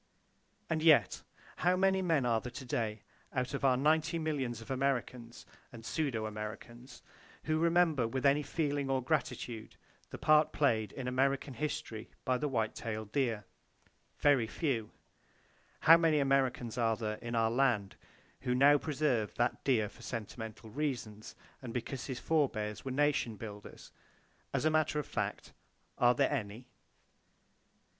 And yet, how many men are there to day, out of our ninety millions of Americans and pseudo Americans, who remember with any feeling of gratitude the part played in American history by the white tailed deer? Very few! How many Americans are there in our land who now preserve that deer for sentimental reasons, and because his forbears were nation builders? As a matter of fact, are there any?